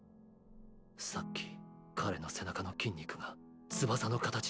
さっき彼の背中の筋肉が翼の形に見えた。